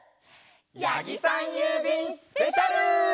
やぎさんゆうびんスペシャル！